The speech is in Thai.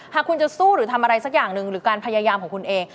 หากคุณจะสู้หรือทำอะไรสักอย่างหนึ่งหรือการพยายามของคุณเอง